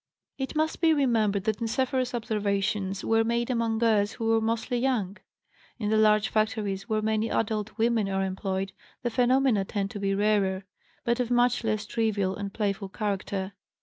It must be remembered that Niceforo's observations were made among girls who were mostly young. In the large factories, where many adult women are employed, the phenomena tend to be rarer, but of much less trivial and playful character.